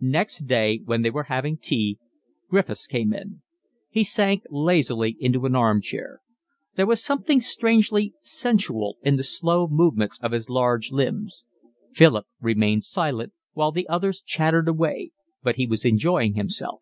Next day, when they were having tea, Griffiths came in. He sank lazily into an arm chair. There was something strangely sensual in the slow movements of his large limbs. Philip remained silent, while the others chattered away, but he was enjoying himself.